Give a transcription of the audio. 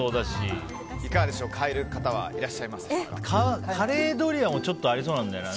いかがでしょうカレードリアもちょっとありそうなんだよね。